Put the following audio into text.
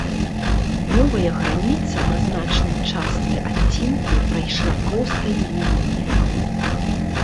Новая граніца на значнай частцы адцінку прайшла простай лініяй.